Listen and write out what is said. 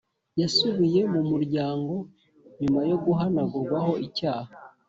yasubiye mu muryango nyuma yo guhanagurwaho icyaha